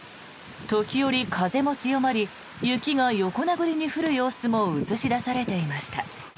時折、風も強まり雪が横殴りに降る様子も映し出されていました。